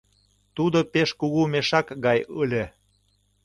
Тудо пеш кугу мешак гай ыле.